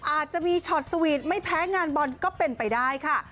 อาจจะมีช็อตสวีทไม่แพ้งานบอลก็เป็นไปได้ค่ะ